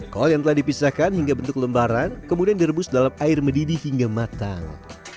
kol yang telah dipisahkan hingga bentuk lembaran kemudian direbus dalam air mendidih hingga matang